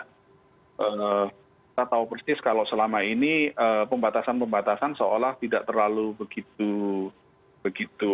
kita tahu persis kalau selama ini pembatasan pembatasan seolah tidak terlalu begitu